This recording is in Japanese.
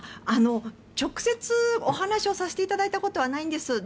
直接お話をさせていただいたことはないんです。